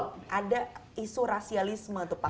kalau ada isu rasialisme tuh pak